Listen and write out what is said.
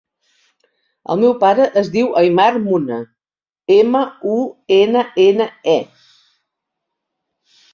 El meu pare es diu Aimar Munne: ema, u, ena, ena, e.